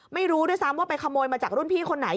ไม่รู้ด้วยซ้ำว่าไปขโมยมาจากรุ่นพี่คนไหน